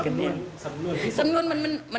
สำนวนสำนวนที่สำนวน